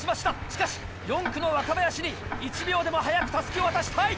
しかし４区の若林に１秒でも早く襷を渡したい！